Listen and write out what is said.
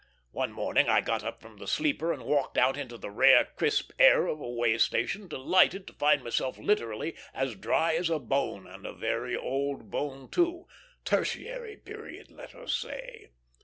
One morning I got up from the sleeper and walked out into the rare, crisp air of a way station, delighted to find myself literally as dry as a bone, and a very old bone, too; tertiary period, let us say.